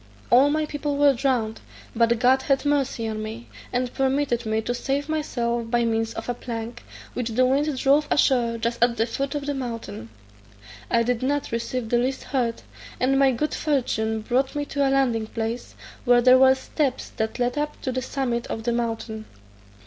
All my people were drowned, but God had mercy on me, and permitted me to save myself by means of a plank, which the wind drove ashore just at the foot of the mountain. I did not receive the least hurt, and my good fortune brought me to a landing place, where there were steps that led up to the summit of the mountain.